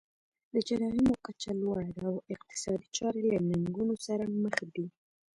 د جرایمو کچه لوړه ده او اقتصادي چارې له ننګونو سره مخ دي.